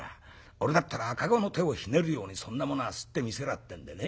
俺だったら赤子の手をひねるようにそんなものはすってみせらぁ』ってんでね